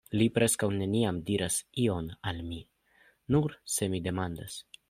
Li preskaŭ neniam diras ion al mi..., nur se mi demandas.